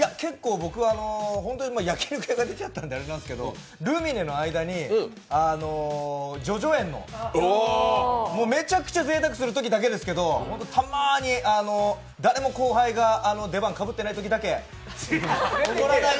僕は本当に、焼き肉屋が出ちゃったのであれですけど、ルミネの間に叙々苑の、めちゃくちゃぜいたくするときだけですけどたまーに、誰も後輩が出番かぶってないときだけ。